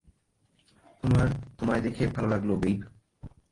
তোমায় দেখে ভালো লাগল, বেইব।